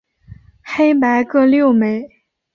黑白各六枚。